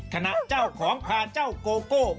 ขณะเจ้าของพาเจ้าโกโก้